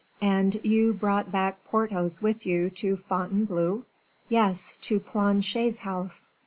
"And you brought back Porthos with you to Fontainebleau?" "Yes, to Planchet's house."